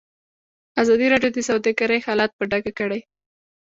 ازادي راډیو د سوداګري حالت په ډاګه کړی.